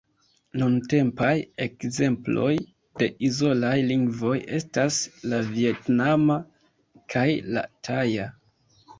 Nuntempaj ekzemploj de izolaj lingvoj estas la vjetnama kaj la taja.